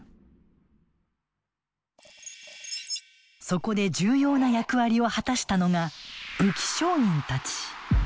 そこで重要な役割を果たしたのが武器商人たち。